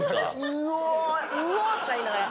うおうお！とか言いながら。